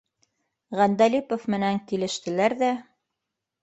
Ғәндәлипов менән килештеләр ҙә